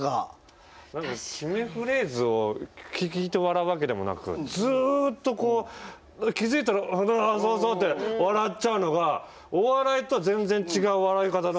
決めフレーズを聞いて笑うわけでもなくずっとこう気付いたらそうそうって笑っちゃうのがお笑いと全然違う笑い方だって今思ったんすよ。